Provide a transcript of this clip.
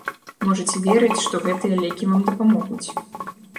Можаце верыць, што гэтыя лекі вам дапамогуць.